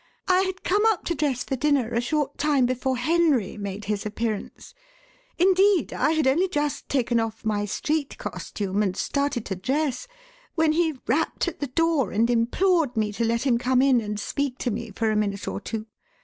I had come up to dress for dinner a short time before Henry made his appearance indeed, I had only just taken off my street costume and started to dress when he rapped at the door and implored me to let him come in and speak to me for a minute or two.